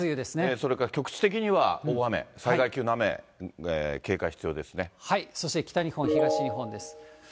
それから局地的には大雨、そして北日本、東日本です。